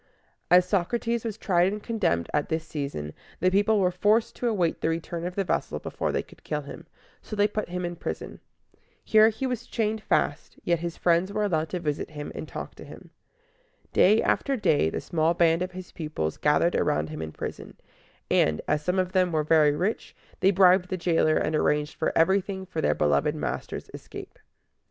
As Socrates was tried and condemned at this season, the people were forced to await the return of the vessel before they could kill him: so they put him in prison. Here he was chained fast, yet his friends were allowed to visit him and to talk with him. Day after day the small band of his pupils gathered around him in prison; and, as some of them were very rich, they bribed the jailer, and arranged everything for their beloved master's escape.